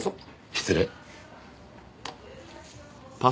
失礼。